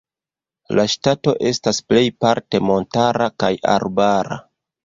La ŝtato estas plejparte montara kaj arbara.